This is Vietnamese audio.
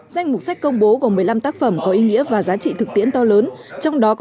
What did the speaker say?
danh mục sách công bố gồm một mươi năm tác phẩm có ý nghĩa và giá trị thực tiễn to lớn trong đó có